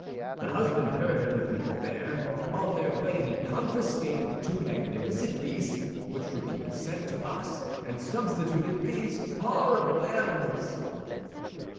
The husband heard of the affair; on their way he confiscated the two magnificent beasts which were being sent to us, and substituted these horrible animals."